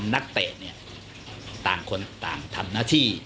นักเตะเนี่ยต่างคนต่างทำหน้าที่